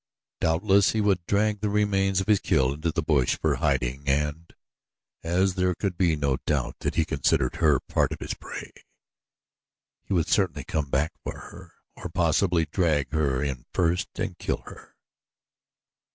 Doubtless he would drag the remains of his kill into the bush for hiding and, as there could be no doubt that he considered her part of his prey, he would certainly come back for her, or possibly drag her in first and kill her.